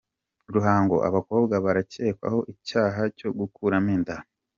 Ruhango abakobwa Barakekwaho icyaha cyo gukuramo inda